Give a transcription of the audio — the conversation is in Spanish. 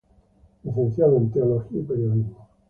Licenciado en teología y periodismo.